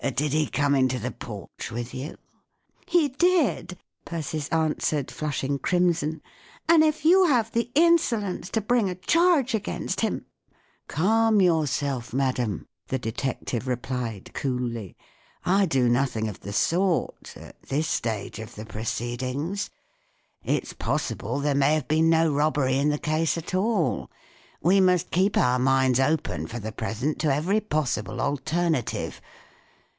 Did he come into the porch with you ?" "He did," Persis answered, flushing crim¬ son ;" and if you have the insolence to bring a charge against him "" Calm yourself, madam," the detective replied, coolly. " I do nothing of the sort— at this stage of the proceedings. It's possible there may have been no robbery in the case at all. We must keep our minds open for the present to every possible alternative.